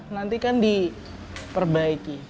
nanti kan diperbaiki